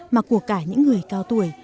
mà của cả những người cao tuổi